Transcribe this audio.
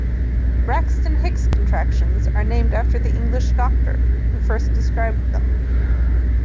Braxton Hicks contractions are named after the English doctor who first described them.